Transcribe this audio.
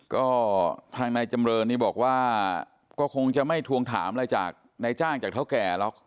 ก็ทางนายจำเรินนี่บอกว่าก็คงจะไม่ทวงถามอะไรจากนายจ้างจากเท่าแก่หรอก